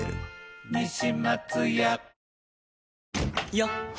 よっ！